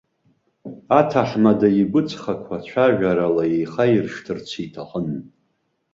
Аҭаҳмада игәыҵхақәа цәажәарала ихаиршҭырц иҭахын.